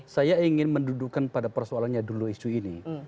saya ingin mendudukan pada persoalannya dulu isu ini